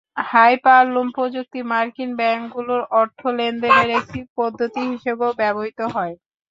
Hyperloop প্রযুক্তি মার্কিন ব্যাংকগুলোর অর্থ লেনদেনের একটি পদ্ধতি হিসেবে ব্যবহৃত হয়।